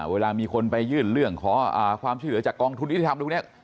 เวลามีคนไปยื่นเรื่องขอความช่วยเหลือจากกองทุนยุติธรรมตรงนี้